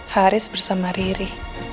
haris bersama riri